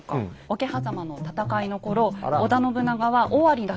桶狭間の戦いの頃織田信長は尾張だけでした。